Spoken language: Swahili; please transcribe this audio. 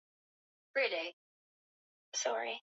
wa ambalo linasalia na kusubiriwa kwa hamu